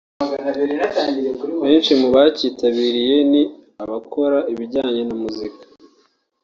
Benshi mu bacyitabiriye ni abakora ibijyanye na muzika